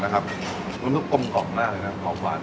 เลยใช่ค่ะตุ๋นเนี้ยค่ะ